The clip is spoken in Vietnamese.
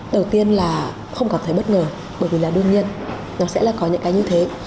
đầu tiên là không cảm thấy bất ngờ bởi vì là đương nhiên nó sẽ là có những cái như thế